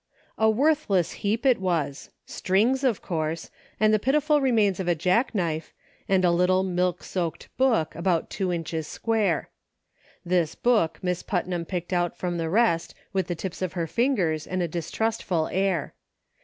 A WORTH LESS heap it was ; strings, of course ; and the pitiful remains of a jackknife, and a little milk soaked book about two inches square. This book Miss Putnam picked out from the rest with the tips of her fingers and a distrustful air.